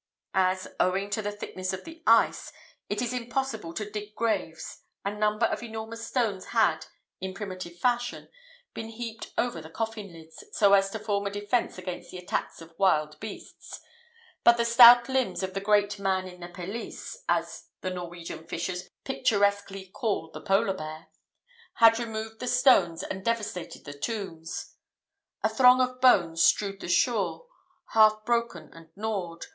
As, owing to the thickness of the ice, it is impossible to dig graves, a number of enormous stones had, in primitive fashion, been heaped over the coffin lids, so as to form a defence against the attacks of wild beasts; but the stout limbs of "the great man in the pelisse" (as the Norwegian fishers picturesquely call the polar bear) had removed the stones and devastated the tombs; a throng of bones strewed the shore, half broken and gnawed